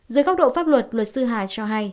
dưới góc độ pháp luật luật sư hà cho hay